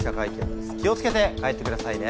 気を付けて帰ってくださいね。